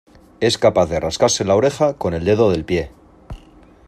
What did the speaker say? Es capaz de rascarse la oreja con el dedo del pie.